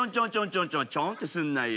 ちょんちょんちょんってすんなよ。